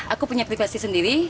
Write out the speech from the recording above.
aku punya privasi sendiri